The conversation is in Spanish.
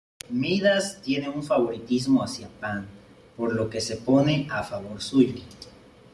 Midas tiene un favoritismo hacia Pan, por lo que se pone a favor suyo.